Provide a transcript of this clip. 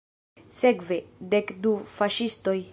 Sekve, dek du faŝistoj.